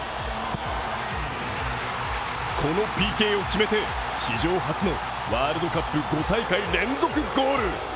このＰＫを決めて、史上初のワールドカップ５大会連続ゴール。